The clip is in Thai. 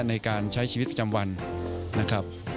ในการใช้ชีวิตประจำวันนะครับ